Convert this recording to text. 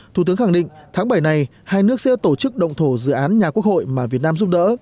thủ tướng khẳng định tháng bảy này hai nước sẽ tổ chức động thổ dự án nhà quốc hội mà việt nam giúp đỡ